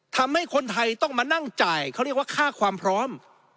ทำให้คนไทยต้องมานั่งจ่ายเขาเรียกว่าค่าความพร้อม